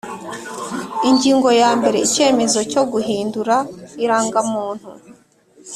Ingingo ya mbere Icyemezo cyo guhindura irangamuntu